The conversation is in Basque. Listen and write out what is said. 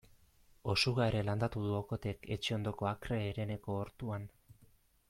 Osuga ere landatu du Okothek etxe ondoko akre hereneko ortuan.